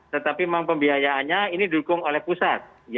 tetapi memang pembiayaannya ini didukung oleh pusat